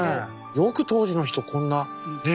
よく当時の人こんなねえ？